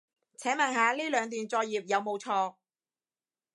請問下呢兩段作業有冇錯